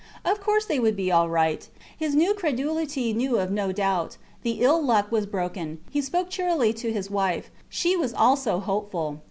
Of course they would be all right. His new credulity knew of no doubt. The ill luck was broken. He spoke cheerily to his wife. She was also hopeful.